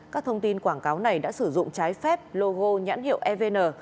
các thông tin quảng cáo này đã sử dụng trái phép logo nhãn hiệu evn